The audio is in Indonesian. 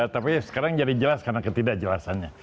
tapi sekarang jadi jelas karena ketidakjelasannya